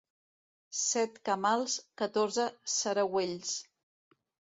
Set camals, catorze saragüells.